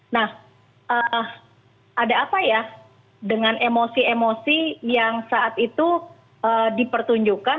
nah ada apa ya dengan emosi emosi yang saat itu dipertunjukkan